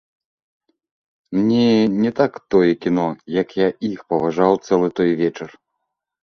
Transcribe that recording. Мне не так тое кіно, як я іх паважаў цэлы той вечар.